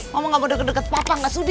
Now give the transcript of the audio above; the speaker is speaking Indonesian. mama gak mau deket deket papa gak sudi